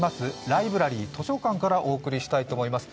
ライブラリー、図書館からお送りしたいと思います。